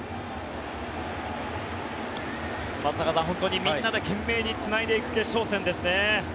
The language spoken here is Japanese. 松坂さん、本当にみんなで懸命につないでいく決勝戦ですね。